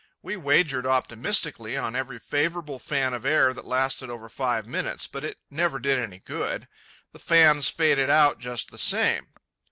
We wagered optimistically on every favourable fan of air that lasted over five minutes; but it never did any good. The fans faded out just the same.